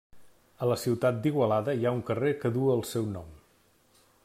A la ciutat d'Igualada hi ha un carrer que duu el seu nom.